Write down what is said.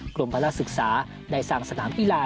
กรมภาระศึกษาได้สร้างสนามกีฬา